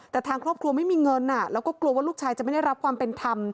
แต่ทางครอบครัวไม่มีเงินแล้วก็กลัวว่าลูกชายจะไม่ได้รับความเป็นธรรม